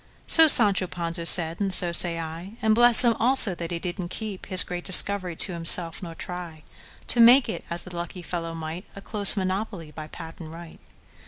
So Sancho Panza said, and so say I:And bless him, also, that he did n't keepHis great discovery to himself; nor tryTo make it—as the lucky fellow might—A close monopoly by patent right!